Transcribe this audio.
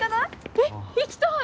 えっ行きたい！